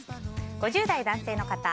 ５０代男性の方。